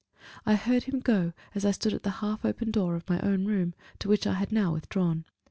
I heard him go as I stood at the half open door of my own room, to which I had now withdrawn.